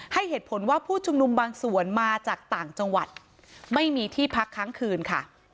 ให้เหตุผลว่าผู้ชุมนุมบางส่วนมาจากต่างจังหวัดไม่มีที่พักค้างคืนค่ะ